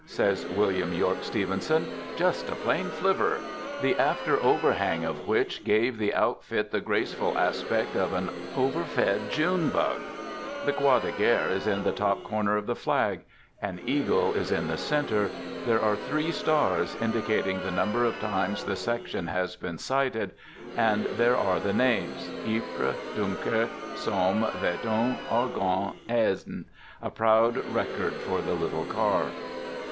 " says William Yorke Steven son. "Just a plain flivver, the after overhang of which gave the outfit the graceful aspect of an over fed June bug." The Croix de Guerre is in the top corner of the flag; an eagle is in the center; there are three stars, indicating the number of times the section has been cited; and there are the names: Ypres, Dunkerque, Somme, Verdun, Argonne, Aisne — a proud record for the little car.